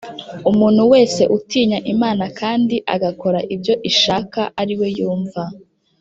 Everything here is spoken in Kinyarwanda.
umuntu wese utinya Imana kandi agakora ibyo ishaka ari we yumva